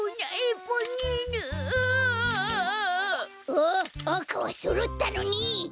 あっあかはそろったのに！